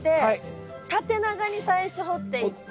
縦長に最初掘っていって。